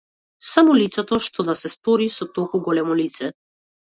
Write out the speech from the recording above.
Само лицето, што да се стори со толку големо лице?